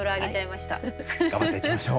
頑張っていきましょう。